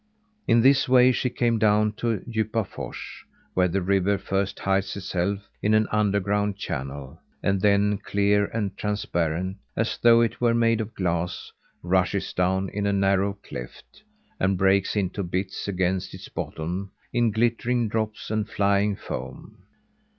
In this way she came way down to Djupafors where the river first hides itself in an underground channel and then clear and transparent, as though it were made of glass, rushes down in a narrow cleft, and breaks into bits against its bottom in glittering drops and flying foam.